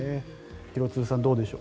廣津留さん、どうでしょう？